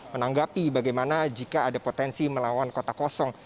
menanggapi bagaimana jika ada potensi melawan kota kosong